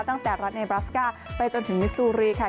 ตั้งแต่รัฐเนบราสก้าไปจนถึงมิซูรีค่ะ